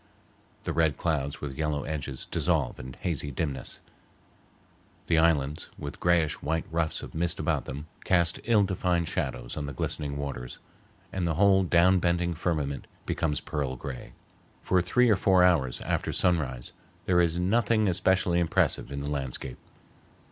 The red clouds with yellow edges dissolve in hazy dimness; the islands, with grayish white ruffs of mist about them, cast ill defined shadows on the glistening waters, and the whole down bending firmament becomes pearl gray. For three or four hours after sunrise there is nothing especially impressive in the landscape.